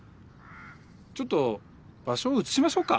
ちょっと場所を移しましょうか。